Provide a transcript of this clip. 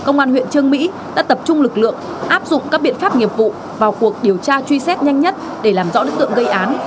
công an huyện trương mỹ đã tập trung lực lượng áp dụng các biện pháp nghiệp vụ vào cuộc điều tra truy xét nhanh nhất để làm rõ đối tượng gây án